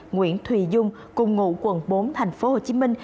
nguyễn thùy dung cùng ngụ quận bốn thành phố hồ chí minh